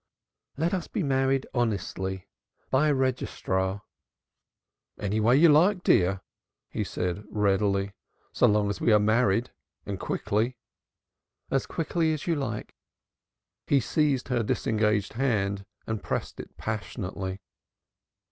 "Let us be married honestly by a Registrar." "Any way you like, dear," he said readily, "so long as we are married and quickly." "As quickly as you like." He seized her disengaged hand and pressed it passionately.